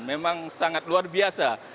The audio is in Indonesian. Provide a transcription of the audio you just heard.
memang sangat luar biasa